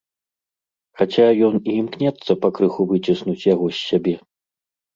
Хаця ён і імкнецца пакрыху выціснуць яго з сябе.